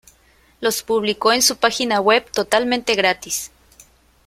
Los publicó en su página web totalmente gratis.